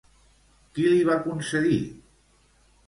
Qui li va concedir?